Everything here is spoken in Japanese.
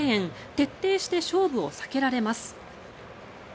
徹底して勝負を避けられます。